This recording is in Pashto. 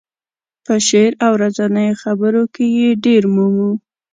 په شعر او ورځنیو خبرو کې یې ډېر مومو.